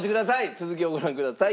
続きをご覧ください。